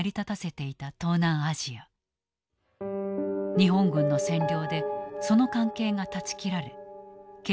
日本軍の占領でその関係が断ち切られ経済状況が悪化していた。